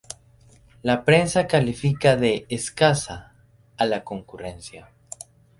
La prensa califica de "escasa" a la concurrencia.